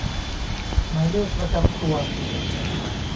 หมายเลขประจำตัว